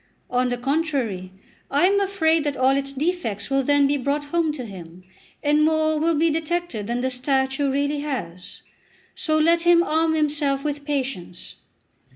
On the contrary, I am afraid that all its defects will then be brought home to him, and more will be detected than the statue really has. So let him arm himself with patience."